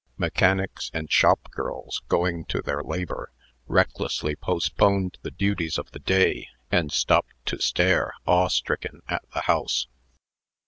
Mechanics and shop girls, going to their labor, recklessly postponed the duties of the day, and stopped to stare, awestricken, at the house.